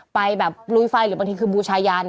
ไปแบบลุยไฟหรือบางทีคือบูชายัน